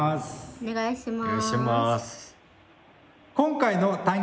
お願いします。